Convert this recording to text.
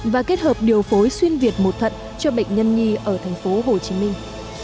và kết hợp điều phối xuyên việt một thận cho bệnh nhân nhi ở thành phố hồ chí minh